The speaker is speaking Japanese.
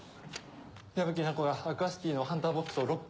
矢吹奈子がアクアシティのハンターボックスをロック。